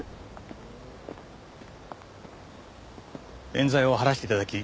冤罪を晴らして頂き